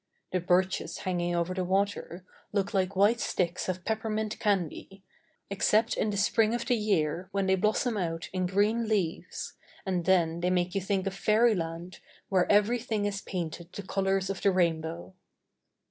The birches hang ing over the water look like white sticks of peppermint candy, except in the spring of the year when they blossom out in green leaves, and then they make you think of fairyland where everything is painted the colors of the rainbow.